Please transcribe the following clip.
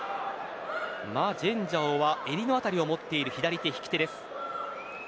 マ・ジェンジャオは襟の辺りを持っている左手の引き手です。